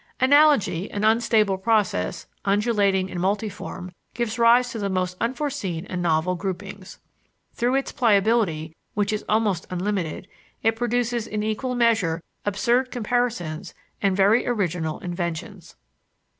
Analogy, an unstable process, undulating and multiform, gives rise to the most unforeseen and novel groupings. Through its pliability, which is almost unlimited, it produces in equal measure absurd comparisons and very original inventions.